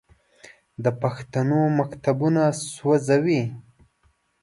د پښتنو مکتبونه سوځوي.